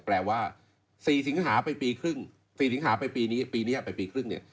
แปลว่า๔สิงหาไปปีครึ่ง๔สิงหาไปปีนี้ปีนี้ไปปีครึ่งเนี่ย